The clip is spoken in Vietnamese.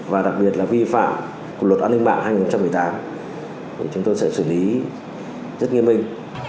và đặc biệt là vi phạm của luật an ninh mạng hai nghìn một mươi tám chúng tôi sẽ xử lý rất nghiêm minh